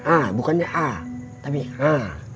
a bukannya a tapi